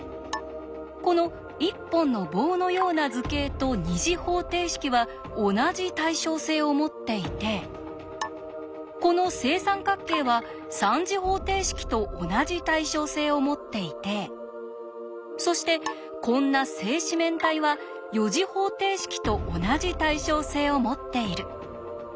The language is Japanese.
この一本の棒のような図形と２次方程式は同じ対称性を持っていてこの正三角形は３次方程式と同じ対称性を持っていてそしてこんな正四面体は４次方程式と同じ対称性を持っている。